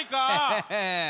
ヘヘヘッ。